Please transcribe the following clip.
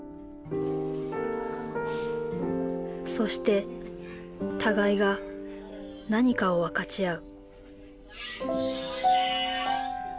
そして互いが何かを分かち合う。